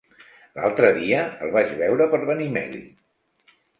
L'altre dia el vaig veure per Benimeli.